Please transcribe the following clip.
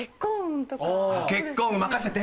結婚運任せて！